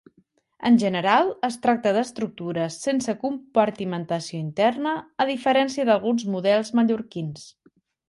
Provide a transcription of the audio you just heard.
En general es tracta d’estructures sense compartimentació interna, a diferència d’alguns models mallorquins.